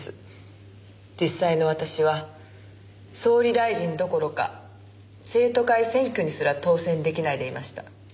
実際の私は総理大臣どころか生徒会選挙にすら当選出来ないでいました。